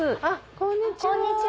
こんにちは。